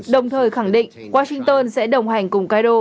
đồng thời khẳng định washington sẽ đồng hành cùng cairo